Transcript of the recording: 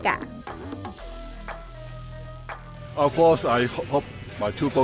keselamatan juga menjadi perhatian serius para pembalap dan manajer tim